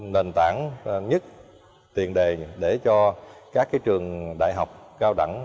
nền tảng nhất tiền đề để cho các trường đại học cao đẳng